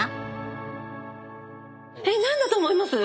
えっ何だと思います？